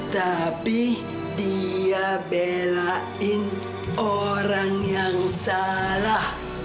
tapi dia belain orang yang salah